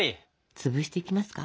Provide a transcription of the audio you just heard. つぶしていきますか？